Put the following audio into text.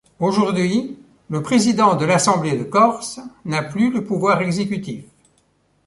Aujourd'hui, le président de l'Assemblée de Corse n'a plus le pouvoir exécutif.